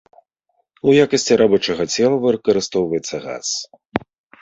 У якасці рабочага цела выкарыстоўваецца газ.